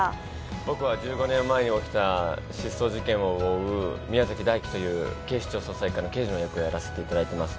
僕は１５年前に起きた失踪事件を追う宮崎大輝という警視庁捜査一課の刑事の役をやらせていただいています。